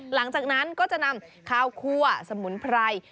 หลังจากนั้นก็จะนำข้าวคั่วสมุนไพร